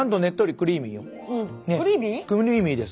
クリーミーです